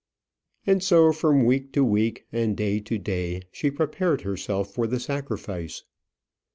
And so from week to week, and day to day, she prepared herself for the sacrifice.